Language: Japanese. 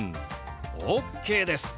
ＯＫです！